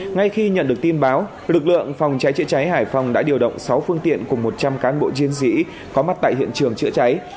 ngay khi nhận được tin báo lực lượng phòng cháy chữa cháy hải phòng đã điều động sáu phương tiện cùng một trăm linh cán bộ chiến sĩ có mặt tại hiện trường chữa cháy